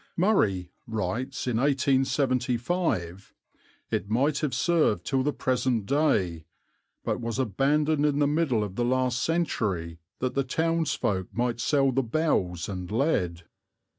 "Murray" writes in 1875: "It might have served till the present day, but was abandoned in the middle of the last century that the townsfolk might sell the bells and lead."